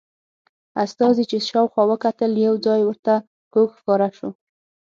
استازي چې شاوخوا وکتل یو ځای ورته کوږ ښکاره شو.